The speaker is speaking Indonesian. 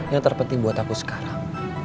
yang terpenting buat aku sekarang